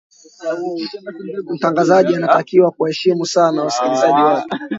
mtangazaji anatakiwa kuwaheshimu sana wasikilizaji wake